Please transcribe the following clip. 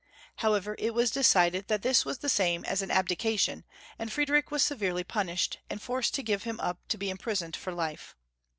How ever, it was decided that this was the same as an abdication, and Friedrich was severely pimished, and forced to give him up to be imprisoned for life.